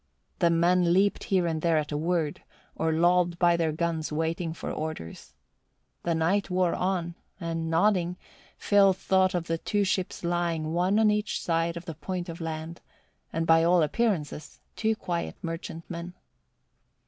The men leaped here and there at a word, or lolled by their guns waiting for orders. The night wore on, and nodding, Phil thought of the two ships lying one on each side of the point of land and by all appearances two quiet merchantmen.